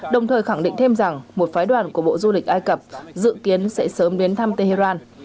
đồng thời khẳng định thêm rằng một phái đoàn của bộ du lịch ai cập dự kiến sẽ sớm đến thăm tehran